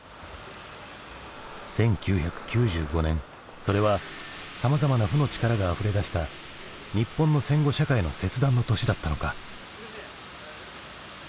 １９９５年それはさまざまな負の力があふれ出した日本の戦後社会の切断の年だったのか？